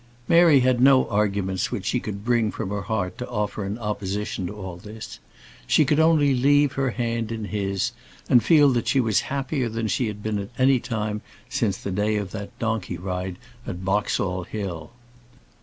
Mary had no arguments which she could bring from her heart to offer in opposition to all this. She could only leave her hand in his, and feel that she was happier than she had been at any time since the day of that donkey ride at Boxall Hill.